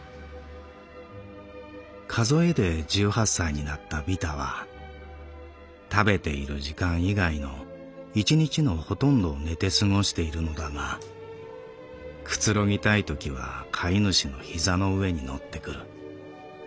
「数えで十八歳になったビタは食べている時間以外の一日のほとんどを寝てすごしているのだがくつろぎたいときは飼い主の膝の上に乗ってくる。